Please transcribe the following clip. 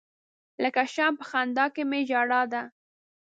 لکه شمع په خندا کې می ژړا ده.